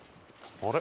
あれ？